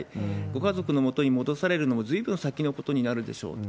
ご家族のもとに戻されるのもずいぶん先のことになるでしょうと。